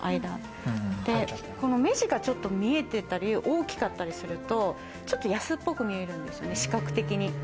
この目地がちょっと見えてたり大きかったりすると、ちょっと安っぽく見えるんですよね、視覚的に。